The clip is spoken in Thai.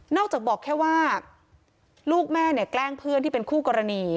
จากบอกแค่ว่าลูกแม่เนี่ยแกล้งเพื่อนที่เป็นคู่กรณี